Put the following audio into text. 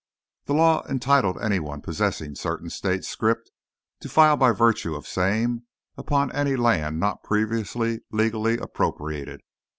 The law entitled any one possessing certain State scrip to file by virtue of same upon any land not previously legally appropriated.